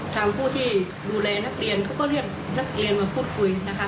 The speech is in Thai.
ผู้ที่ดูแลนักเรียนเขาก็เรียกนักเรียนมาพูดคุยนะคะ